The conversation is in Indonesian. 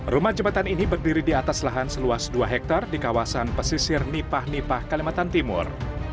rumah jembatan ini berdiri di atas lahan seluas dua hektare di kawasan pesisir nipah nipah kalimantan timur